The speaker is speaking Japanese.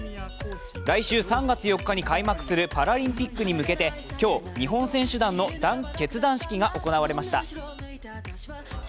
来週３月４日に開幕するパラリンピックに向けて、今日、日本選手団の結団式が行われました。